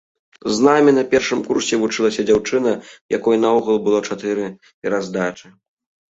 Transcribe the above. З намі на першым курсе вучылася дзяўчына, у якой наогул было чатыры пераздачы.